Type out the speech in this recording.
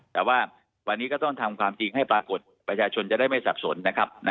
แต่ว่าวันนี้ก็ต้องทำความจริงให้ปรากฏประชาชนจะได้ไม่สับสนนะครับ